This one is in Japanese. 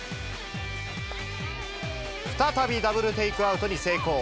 再びダブルテイクアウトに成功。